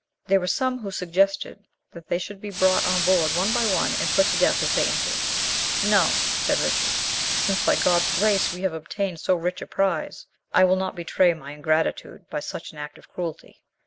There were some who suggested that they should be brought on board one by one, and put to death as they entered. "No," said Richard; "since by God's grace we have obtained so rich a prize, I will not betray my ingratitude by such an act of cruelty.